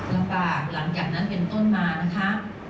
ลำบากหลังจากนั้นเป็นต้นมานะครับ